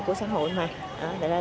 của xã hội mà